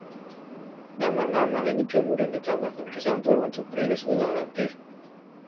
Nama-nama ini kemudian ditambahkan ke sampul untuk rilis ulang nanti.